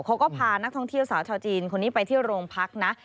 เขาก็พานักท่องเที่ยวสาวชาวจีนคนนี้ไปที่โรงพักนะ